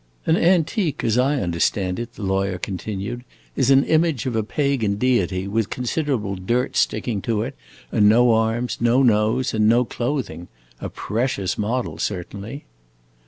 "An antique, as I understand it," the lawyer continued, "is an image of a pagan deity, with considerable dirt sticking to it, and no arms, no nose, and no clothing. A precious model, certainly!"